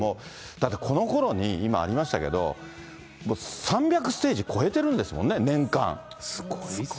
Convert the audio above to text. だってこのころに、今ありましたけど、３００ステージ超えてるんですもんね、年間。